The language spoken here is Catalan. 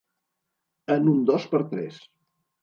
En un dos per tres.